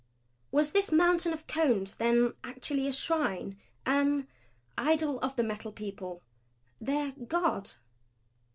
Was this mountain of Cones then actually a shrine an idol of the Metal People their God?